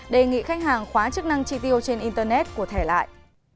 đề nghị khách hàng khóa chức năng chi tiêu trên internet của thẻ lại